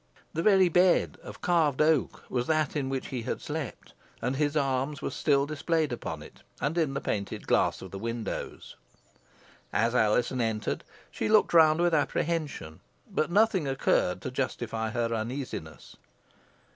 The very bed, of carved oak, was that in which he had slept, and his arms were still displayed upon it, and on the painted glass of the windows. As Alizon entered she looked round with apprehension, but nothing occurred to justify her uneasiness.